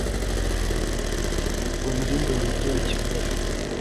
ubwo narindi mumujyi wa kigali